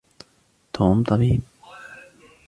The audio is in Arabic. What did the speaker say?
توم طبيب.